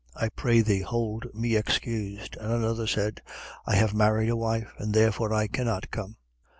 I pray thee, hold me excused. 14:20. And another said: I have married a wife; and therefore I cannot come.